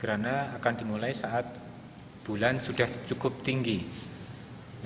gerhana akan dimulai saat bulan sudah cukup tinggi